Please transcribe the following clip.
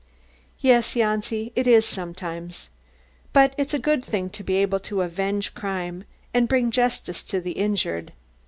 "Yes, Janci, it is sometimes. But it's a good thing to be able to avenge crime and bring justice to the injured.